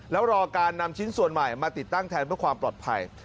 แล้วรอการนำชิ้นส่วนใหม่มาติดตั้งแทนเพื่อความปลอดภัย